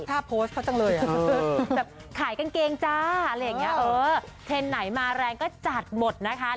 โพสต์เขาจังเลยแบบขายกางเกงจ้าอะไรอย่างนี้เออเทรนด์ไหนมาแรงก็จัดหมดนะคะ